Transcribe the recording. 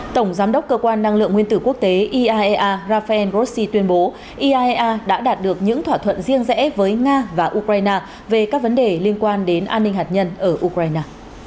tổng giám đốc cơ quan năng lượng nguyên tử quốc tế iaea rafael grossi tuyên bố iaea đã đạt được những thỏa thuận riêng rẽ với nga và ukraine về các vấn đề liên quan đến an ninh hạt nhân ở ukraine